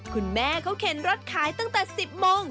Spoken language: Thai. คุณแม่เขาเข็นรถขายตั้งแต่๑๐โมง